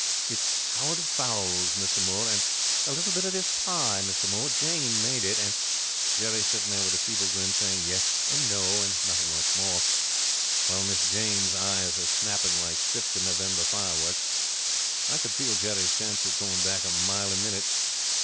It's "How are the fowls, Mr Moore?" and "A little bit of this pie, Mr Moore; Jane made it," and Jerry sitting there with a feeble grin, saying "Yes" and "No" and nothing much more, while Miss Jane's eyes are snapping like Fifth of November fireworks. I could feel Jerry's chances going back a mile a minute.